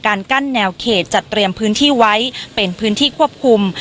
กั้นแนวเขตจัดเตรียมพื้นที่ไว้เป็นพื้นที่ควบคุม